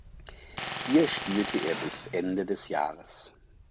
Hier spielte er bis Ende des Jahres.